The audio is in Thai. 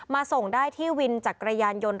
ส่งได้ที่วินจักรยานยนต์